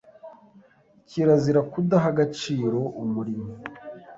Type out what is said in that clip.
Kirazira kudaha agaciro umurimo